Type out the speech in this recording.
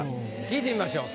聞いてみましょう。